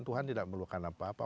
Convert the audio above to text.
tuhan tidak meluapkan apa apa